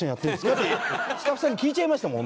ってスタッフさんに聞いちゃいましたもん